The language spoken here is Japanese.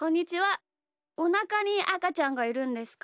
おなかにあかちゃんがいるんですか？